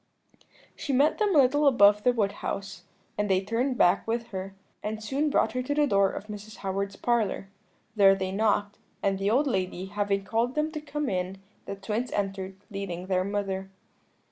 "She met them a little above the Wood House, and they turned back with her, and soon brought her to the door of Mrs. Howard's parlour: there they knocked, and the old lady having called to them to come in, the twins entered, leading their mother.